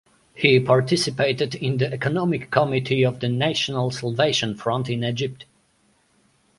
He Participated in the economic committee of the National Salvation Front in Egypt.